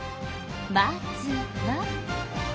まずは。